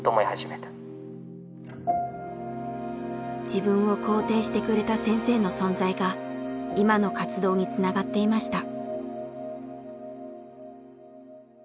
自分を肯定してくれた先生の存在が今の活動につながっていました。